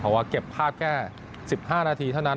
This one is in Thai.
เพราะว่าเก็บภาพแค่๑๕นาทีเท่านั้น